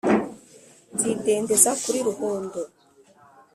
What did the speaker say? nzidendeza kuri ruhondo,